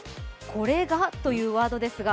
「これが」というワードですが